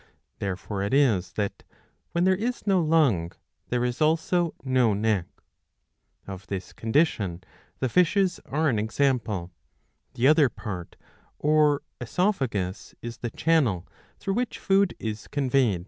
Therefore it is that, when there is no lung, there is also no neck. Of this 664 a. 64 iii. 3 condition the Fishes are an example. The other part, or CESophagus, is the channel through which food is conveyed